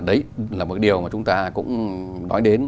đấy là một điều mà chúng ta cũng nói đến